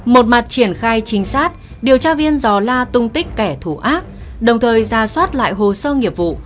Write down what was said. một mặt triển khai trinh sát điều tra viên giò la tung tích kẻ thù ác đồng thời ra soát lại hồ sơ nghiệp vụ